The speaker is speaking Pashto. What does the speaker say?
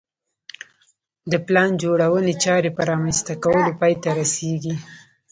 د پلان جوړونې چارې په رامنځته کولو پای ته رسېږي